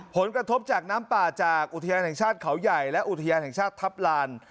ผลกระทบจากน้ำป่าจากอุทยานแห่งชาติเขาใหญ่และอุทยานแห่งชาติทัพลาน